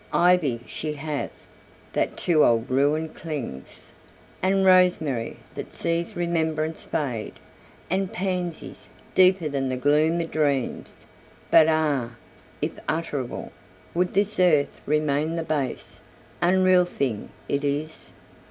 Ivy she hath, that to old ruin clings; And rosemary, that sees remembrance fade; And pansies, deeper than the gloom of dreams; But ah! if utterable, would this earth Remain the base, unreal thing it is?